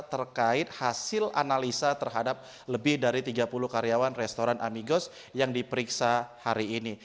terkait hasil analisa terhadap lebih dari tiga puluh karyawan restoran amigos yang diperiksa hari ini